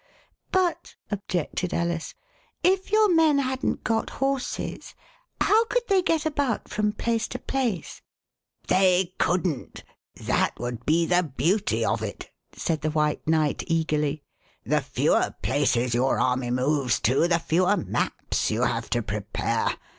But," objected Alice, if your men hadn't got horses how could they get about from place to place ^"They couldn't. That would be the beauty of it," said the White Knight eagerly ;the fewer places your army moves to, the fewer maps you have to prepare.